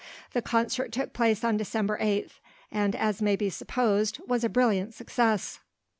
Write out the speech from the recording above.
The concert took place on December 8, and, as may be supposed, was a brilliant success.